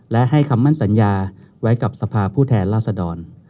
และให้คำมั่นสัญญาไว้กับสภาพผู้แทนราษดร